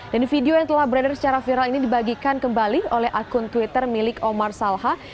dan video yang telah berada secara viral ini dibagikan kembali oleh akun twitter milik omar salha